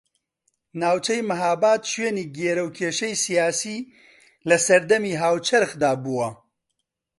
ناوچەی مەھاباد شوێنی گێرەوکێشەی سیاسی لە سەردەمی هاوچەرخدا بووە